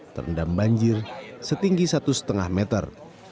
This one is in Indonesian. terendam banjir setinggi satu lima meter